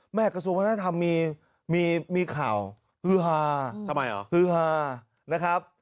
แม่กระทรวงวัฒนธรรมมีข่าวฮื้อฮาฮื้อฮานะครับ